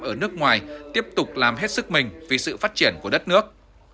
ở nước ngoài tiếp tục làm hết sức mình vì sự phát triển của đất nước